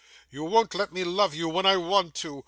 You won't let me love you when I want to.